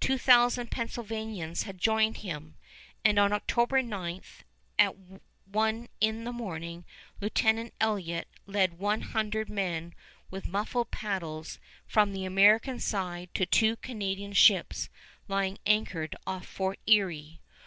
Two thousand Pennsylvanians had joined him; and on October 9, at one in the morning, Lieutenant Elliott led one hundred men with muffled paddles from the American side to two Canadian ships lying anchored off Fort Erie.